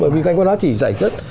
bởi vì cái đó chỉ dạy chất